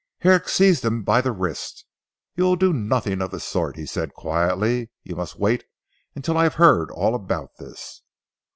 Herrick seized him by the wrist. "You will do nothing of the sort," he said quietly. "You must wait until I have heard all about this."